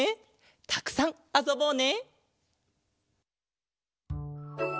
たくさんあそぼうね。